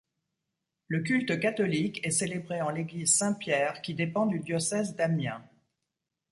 Le culte catholique est célébré en l'église Saint-Pierre qui dépend du diocèse d'Amiens.